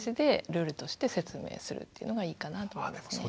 ルールとして説明するっていうのがいいかなと思いますね。